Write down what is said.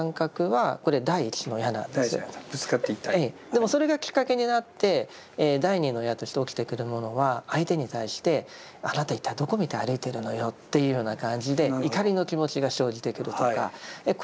でもそれがきっかけになって第二の矢として起きてくるものは相手に対してあなた一体どこ見て歩いてるのよっていうような感じで怒りの気持ちが生じてくるとかこれが第二の矢です。